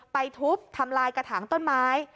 ทุบทำลายกระถางต้นไม้